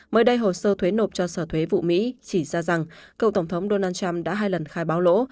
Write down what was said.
mới đây hồ sơ thuế nộp cho sở thuế vụ mỹ chỉ ra rằng cựu tổng thống donald trump đã hai lần khai báo lỗ